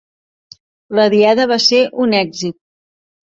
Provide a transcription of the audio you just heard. La diada va ser un èxit